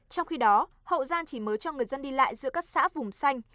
trong khi đó hậu giang chỉ mới cho người dân đi lại giữa các xã vùng xanh